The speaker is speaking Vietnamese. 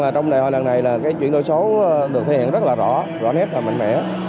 trong đại hội lần này chuyển đổi số được thể hiện rất rõ rõ nét và mạnh mẽ